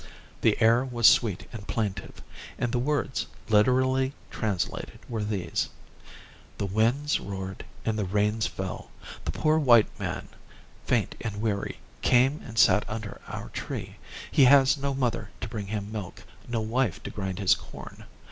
The air was sweet and plaintive, and the words, literally translated, were these: 'The winds roared and the rains fell; the poor white man, faint and weary, came and sat under our tree. He has no mother to bring him milk, no wife to grind his corn.